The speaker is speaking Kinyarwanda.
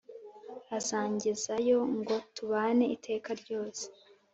Azangezayo ngo tubane iteka ryose